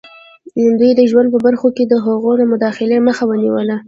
دوی د ژوند په برخو کې د هغوی د مداخلې مخه ونیوله.